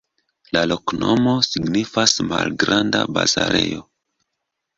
La loknomo signifas: malgranda-bazarejo.